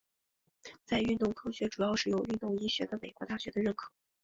在运动科学主要是由运动医学的美国大学的认可。